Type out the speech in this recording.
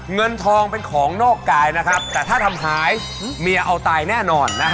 เงินทองเป็นของนอกใกล้แต่ถ้าทำหายเมียเอาไตแน่นอน